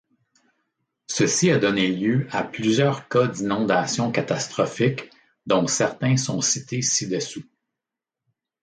Ceci a donné lieu à plusieurs cas d'inondations catastrophiques dont certains sont cités ci-dessous.